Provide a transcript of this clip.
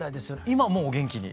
今もうお元気に？